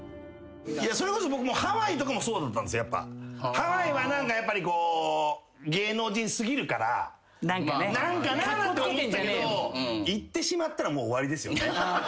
ハワイは何かやっぱりこう芸能人すぎるから。何かななんて思ったけど行ってしまったらもう終わりですよね。